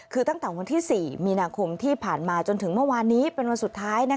คือตั้งแต่วันที่๔มีนาคมที่ผ่านมาจนถึงเมื่อวานนี้เป็นวันสุดท้าย